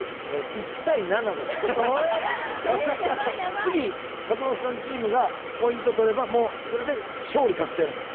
次勝俣さんチームがポイント取ればもうそれで勝利確定なんです。